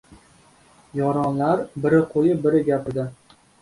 Yoronlar biri qo‘yib biri gapirdi: